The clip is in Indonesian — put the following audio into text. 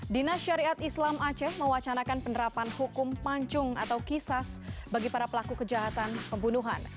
dinas syariat islam aceh mewacanakan penerapan hukum pancung atau kisas bagi para pelaku kejahatan pembunuhan